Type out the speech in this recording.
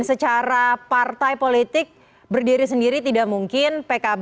secara partai politik berdiri sendiri tidak mungkin pkb